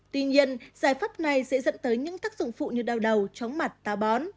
tuy nhiên giải pháp này sẽ dẫn tới những tác dụng phụ như đau đầu chóng mặt táo bón